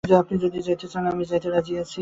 আপনি যদি যান, তবে আমি যাইতে রাজি আছি।